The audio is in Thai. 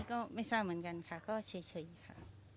ก็ไม่ทราบเหมือนกันค่ะก็เฉยค่ะ